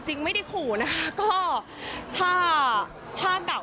จริงไม่ได้ขูนะคะ